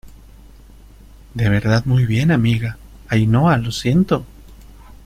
de verdad, muy bien , amiga. Ainhoa , lo siento .